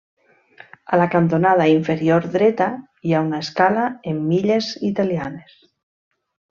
A la cantonada inferior dreta hi ha una escala en milles italianes.